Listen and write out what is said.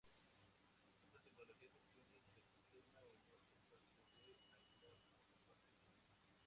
Estas tecnologías extienden el sistema y no son fáciles de aislar fácilmente.